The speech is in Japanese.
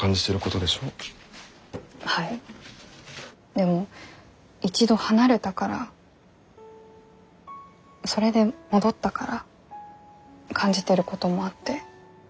でも一度離れたからそれで戻ったから感じてることもあって。